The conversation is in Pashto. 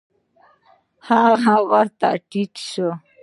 هغه ورته ټيټ سو.